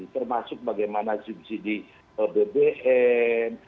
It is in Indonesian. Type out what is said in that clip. termasuk bagaimana subsidi bbm